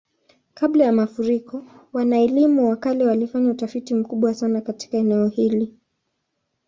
Kabla ya mafuriko, wana-elimu wa kale walifanya utafiti mkubwa sana katika eneo hili.